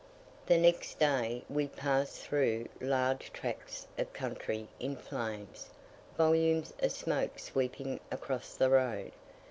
The next day we passed through large tracts of country in flames, volumes of smoke sweeping across the road.